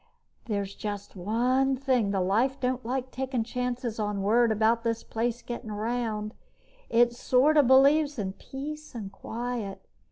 "There's just one thing. The Life don't like taking chances on word about this place gettin' around. It sorta believes in peace and quiet.